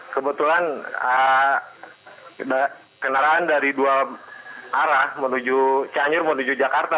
kebetulan kendaraan dari dua arah menuju cianjur menuju jakarta